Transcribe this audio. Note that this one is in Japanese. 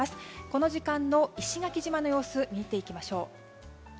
この時間の石垣島の様子を見ていきましょう。